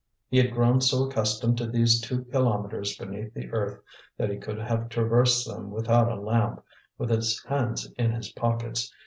He had grown so accustomed to these two kilometres beneath the earth, that he could have traversed them without a lamp, with his hands in his pockets.